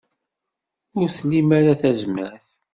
Ur tlim ara tazmert.